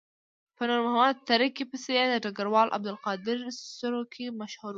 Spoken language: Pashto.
په نور محمد تره کي پسې یې د ډګروال عبدالقادر سروکي مشهور وو.